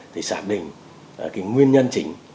thì xác định nguyên nhân chính